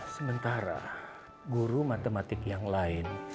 sementara guru matematik yang lain